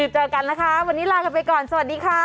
เจอกันนะคะวันนี้ลากันไปก่อนสวัสดีค่ะ